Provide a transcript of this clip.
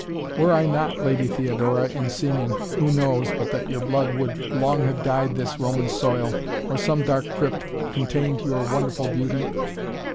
"Were I not, Lady Theodora, in seeming, who knows, but that your blood would long have dyed this Roman soil, or some dark crypt contained your wonderful beauty?